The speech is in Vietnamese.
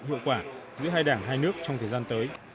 hiệu quả giữa hai đảng hai nước trong thời gian tới